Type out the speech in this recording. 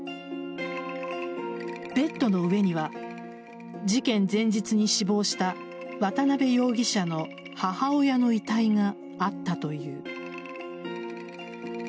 ベッドの上には事件前日に死亡した渡辺容疑者の母親の遺体があったという。